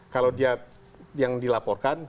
kalau dia yang dilaporkan